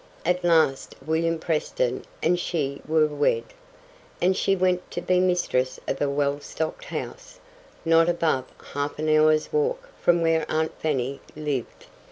At last William Preston and she were wed; and she went to be mistress of a well stocked house, not above half an hour's walk from where aunt Fanny lived.